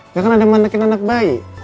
di sana ada yang menekan anak bayi